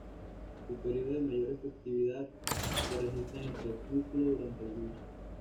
Su período de mayor actividad se registra en el crepúsculo y durante la noche.